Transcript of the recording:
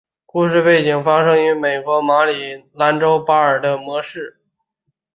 故事背景发生于美国马里兰州巴尔的摩市。